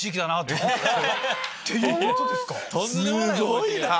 すごいな。